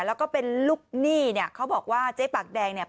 แล้วก็เป็นลูกหนี้เนี่ยเขาบอกว่าเจ๊ปากแดงเนี่ย